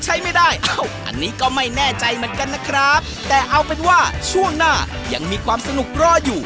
ผมย่องอะไรไหลกันมาเดี๋ยวผมมีแบบสดเลย